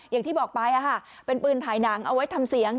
อย่างที่บอกไปเป็นปืนถ่ายหนังเอาไว้ทำเสียง